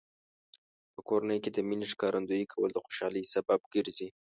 په کورنۍ کې د مینې ښکارندوی کول د خوشحالۍ سبب ګرځي.